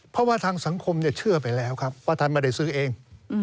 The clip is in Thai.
เพราะว่าทางสังคมเชื่อไปแล้วครับว่าท่านไม่ได้ซื้อเอง